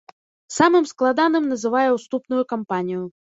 Самым складаным называе уступную кампанію.